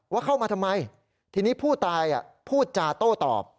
ว่าเข้ามาทำไมทีนี้ผู้ตายพูดจาโต้ตอบ